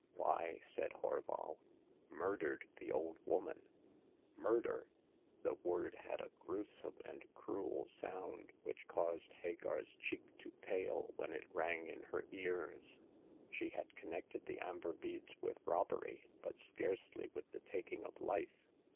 "Why," said Horval, "murdered the old woman." 66 Hagar of the Pawn Shop. Murder ! The word had a gruesome and cruel sound, which caused Hagar's cheek to pale when it rang in her ears. She had connected the amber beads with robbery, but scarcely with the taking of life.